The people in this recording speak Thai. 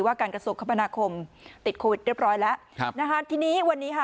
ว่าการกระสุกคมพนาคมติดโควิดเรียบร้อยแล้วนะฮะทีนี้วันนี้ค่ะ